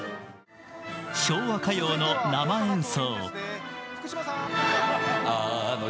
昭和歌謡の生演奏。